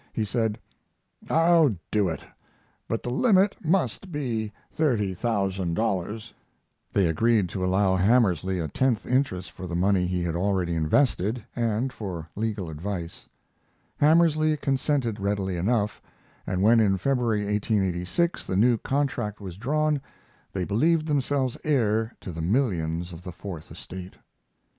He said: "I'll do it, but the limit must be $30,000." They agreed to allow Hamersley a tenth interest for the money he had already invested and for legal advice. Hamersley consented readily enough, and when in February, 1886, the new contract was drawn they believed themselves heir to the millions of the Fourth Estate.